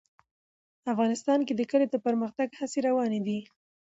افغانستان کې د کلي د پرمختګ هڅې روانې دي.